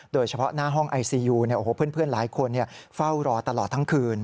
โดยเฉพาะหน้าห้องไอซียูเพื่อนหลายคนเฝ้ารอตลอดทั้งคืน